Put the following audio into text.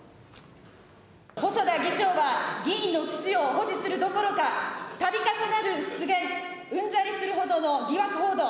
細田議長が議員の秩序を保持するどころか、たび重なる失言、うんざりするほどの疑惑報道。